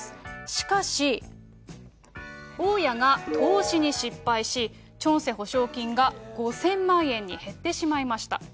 しかし、大家が投資に失敗し、チョンセ保証金が５０００万円に減ってしまいました。